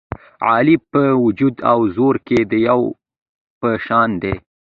علي په وجود او زور کې د دېو په شان دی.